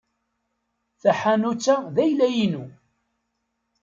Taḥanut-a d ayla-inu.